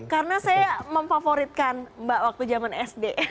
karena saya memfavoritkan mbak waktu jaman sd